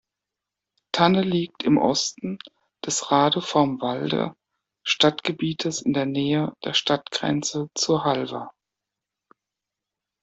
Tanne liegt im Osten des Radevormwalder Stadtgebietes in der Nähe der Stadtgrenze zu Halver.